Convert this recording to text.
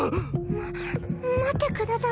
ま待ってください。